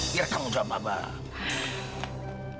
biar kamu coba bang